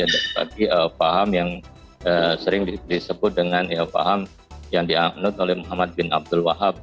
jadi paham yang sering disebut dengan paham yang dianggut oleh muhammad ibn abdul wahab